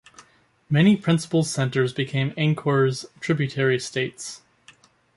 Many principal centers became Angkor's tributary states.